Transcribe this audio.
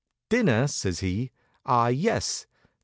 "Dinner?" says he. "Ah, yes!